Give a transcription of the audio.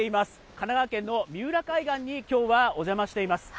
神奈川県の三浦海岸にきょうはお邪魔しています。